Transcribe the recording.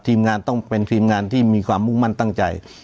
ทีมงานต้องเป็นทีมงานที่มีความมุ่งมั่นตั้งใจ